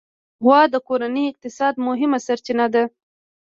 غوا د کورني اقتصاد مهمه سرچینه ده.